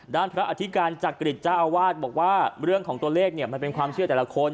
ด้านพระอธิการจักริตเจ้าอาวาสบอกว่าเรื่องของตัวเลขเนี่ยมันเป็นความเชื่อแต่ละคน